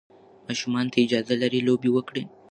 ماشومان اجازه لري لوبې وکړي.